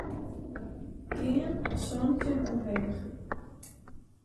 Gean santjin omheech.